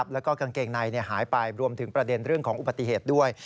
แล้วก็กางเกงในหายไปรวมถึงประเด็นเรื่องของอุบัติเหตุด้วย